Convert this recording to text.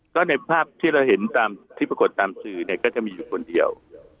ก็ในภาพที่เราเห็นตามที่ปรากฏตามสื่อเนี่ยก็จะมีอยู่คนเดียว